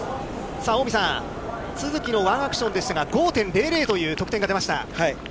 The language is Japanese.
さあ、近江さん、都筑のワンアクションでしたが、５．００という得点が出ました。